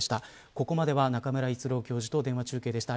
ここまでは中村逸郎教授と電話中継でした。